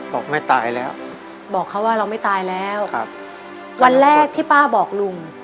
บอกไม่ตายแล้วบอกเขาว่าเราไม่ตายแล้วครับวันแรกที่ป้าบอกลุง